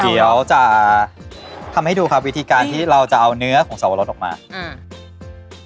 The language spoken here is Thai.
เดี๋ยวจะทำให้ดูครับวิธีการที่เราจะเอาเนื้อของสวรสออกมาอืม